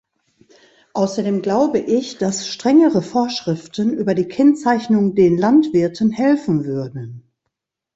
Außerdem glaube ich, dass strengere Vorschriften über die Kennzeichnung den Landwirten helfen würden.